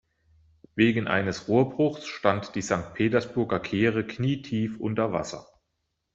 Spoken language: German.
Wegen eines Rohrbruchs stand die Sankt-Petersburger Kehre knietief unter Wasser.